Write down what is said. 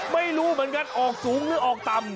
ไม่รู้เหมือนกันออกสูงหรือออกต่ำ